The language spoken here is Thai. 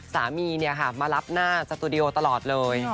สามีเนี่ยค่ะมารับหน้าสตูดิโอตลอดเลย